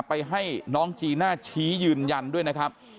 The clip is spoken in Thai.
ให้น้องจีน่าชี้ยืนยันด้วยนะครับ